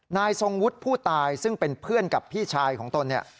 นายทรงวุฒิผู้ตายซึ่งเป็นเพื่อนกับพี่ชายของตนเนี่ย